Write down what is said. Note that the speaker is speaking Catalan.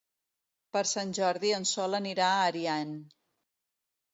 Per Sant Jordi en Sol anirà a Ariany.